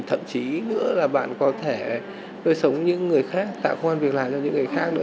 thậm chí nữa là bạn có thể nuôi sống những người khác tạo khuôn việc làm cho những người khác